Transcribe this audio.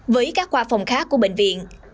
với các khoa phòng khác của bệnh viện